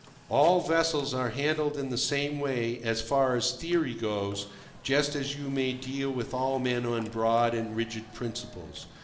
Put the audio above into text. All vessels are handled in the same way as far as theory goes, just as you may deal with all men on broad and rigid principles.